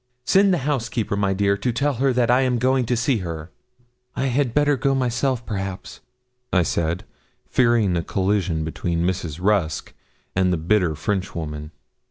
Send the housekeeper, my dear, to tell her that I am going to see her.' 'I had better go myself, perhaps,' I said, fearing a collision between Mrs. Rusk and the bitter Frenchwoman.